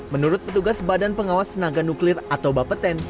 menurut petugas badan pengawas tenaga nuklir atau bapeten